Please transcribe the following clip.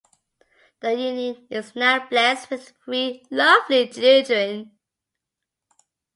The union is now blessed with three lovely children.